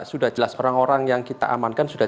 sudah jelas orang orang yang kita amankan sudah